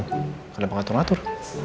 gak ada yang ngatur ngatur